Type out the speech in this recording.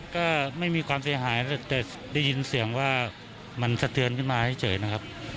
ก็ไม่มีความเสียหายแต่ได้ยินเสียงว่ามันสะเทือนขึ้นมาเฉยนะครับ